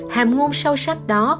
hàm nguồn sâu sắc đó